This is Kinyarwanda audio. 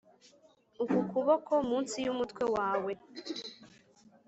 uku kuboko munsi yumutwe wawe!